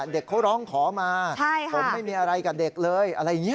เด็กเขาร้องขอมาผมไม่มีอะไรกับเด็กเลยอะไรอย่างนี้